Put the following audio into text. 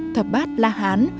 thập bát là hán